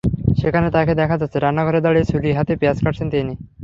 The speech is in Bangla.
সেখানে তাঁকে দেখা যাচ্ছে, রান্নাঘরে দাঁড়িয়ে ছুরি হাতে পেঁয়াজ কাটছেন তিনি।